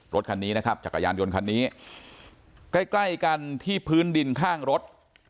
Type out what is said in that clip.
รถคันนี้นะครับจักรยานยนต์คันนี้ใกล้ใกล้กันที่พื้นดินข้างรถ